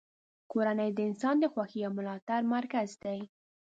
کورنۍ د انسان د خوښۍ او ملاتړ مرکز دی.